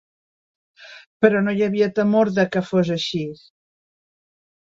Però no hi havia temor de que fos axis.